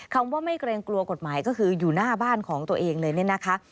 คำว่าไม่เกรงกลัวกฎหมายก็คืออยู่หน้าบ้านของตัวเองเลยเนี่ยนะคะ